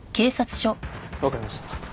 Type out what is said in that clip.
わかりました。